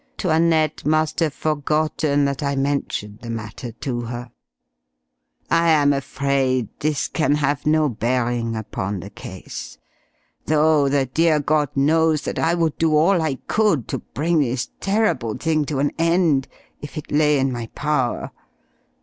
'Toinette must have forgotten that I mentioned the matter to her. "I am afraid this can have no bearing upon the case though the dear God knows that I would do all I could to bring this terrible thing to an end, if it lay in my power.